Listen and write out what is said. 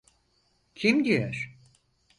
Kim diyor?